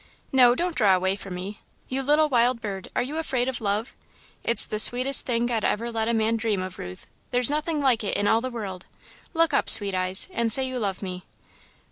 "No, don't draw away from me. You little wild bird, are you afraid of Love? It's the sweetest thing God ever let a man dream of, Ruth there's nothing like it in all the world. Look up, Sweet Eyes, and say you love me!"